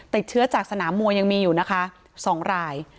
ติดเชื้อจากสนามมวยยังมีอยู่นะคะ๒ราย